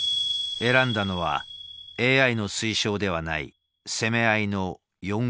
選んだのはＡＩの推奨ではない攻め合いの４五桂馬。